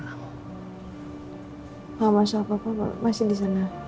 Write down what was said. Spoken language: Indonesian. masalah apa pak masih di sana